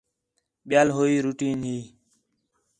ٻِیال ہوئی روٹین ہی